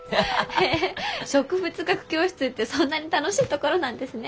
へえ植物学教室ってそんなに楽しいところなんですね。